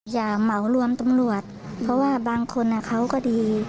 อย่าเหมารวมตำรวจเพราะว่าบางคนเขาก็ดี